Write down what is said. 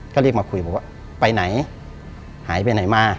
ก็รีบมาคุยบอกว่าไปไหนหายไปไหนมา